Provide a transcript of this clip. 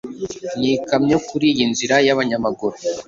n'ikamyo kuri iyi nzira y'abanyamaguru